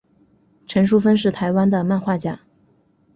陈淑芬是台湾的漫画家。